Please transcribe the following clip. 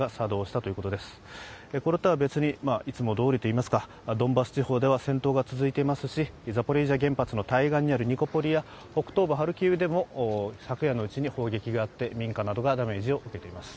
いつもどおりといますかドンバス地方では戦闘が続いていますし、ザポリージャ原発の対岸にあるニコポリや北東部ハルキウでも昨夜のうちに砲撃があって民家などがダメージを受けています。